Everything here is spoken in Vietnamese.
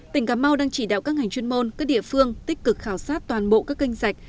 tỉnh cà mau đang chỉ đạo các ngành chuyên môn các địa phương tích cực khảo sát toàn bộ các kênh sạch